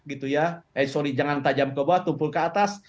eh sorry jangan tajam ke bawah tumpul ke atas